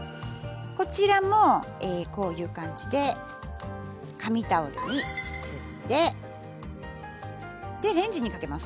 こちらもこういう感じで紙タオルに包んででレンジにかけます